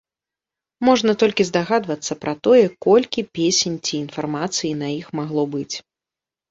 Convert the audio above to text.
Можна толькі здагадвацца пра тое, колькі песень ці інфармацыі на іх магло быць.